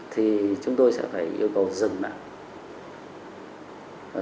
thì chúng tôi sẽ phải yêu cầu dừng lại